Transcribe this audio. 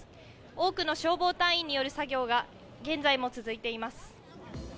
多くの消防隊員による作業が現在も続いています。